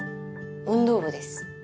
運動部です。